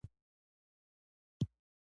د لاسونو لپاره صدقه.